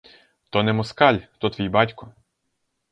То не москаль, то твій батько!